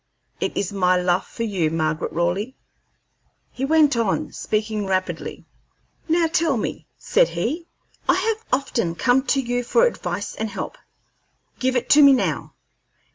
It is my love for you, Margaret Raleigh!" He went on, speaking rapidly. "Now tell me," said he. "I have often come to you for advice and help give it to me now.